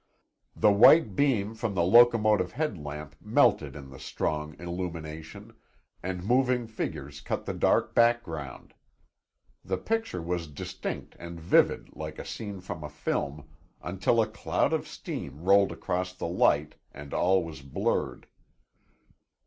The white beam from the locomotive headlamp melted in the strong illumination, and moving figures cut the dark background. The picture was distinct and vivid like a scene from a film, until a cloud of steam rolled across the light and all was blurred.